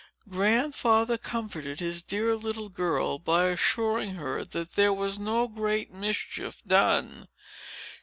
Grandfather comforted his dear little girl, by assuring her that there was no great mischief done.